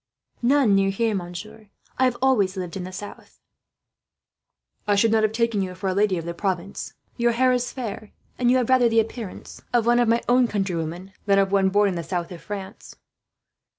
"None near here, monsieur. I have always lived in the south." "I should not have taken you for a lady of Provence," Philip said. "Your hair is fair, and you have rather the appearance of one of my own countrywomen, than of one born in the south of France."